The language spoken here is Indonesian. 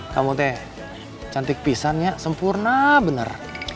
kamu teh cantik pisannya sempurna bener